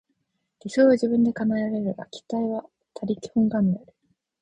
理想は自分で叶えられるが、期待は他力本願である。